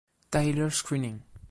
Tyler Screening.